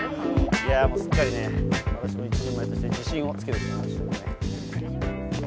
いやもうすっかりね私も一人前として自信をつけて来ましたよね。